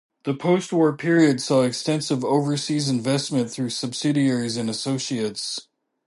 The post-war period saw extensive overseas investment through subsidiaries and associates.